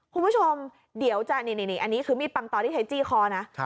คุณผู้ชมเดี๋ยวจะนี่อันนี้คือมีดปังตอนที่เธอจี้คอนะ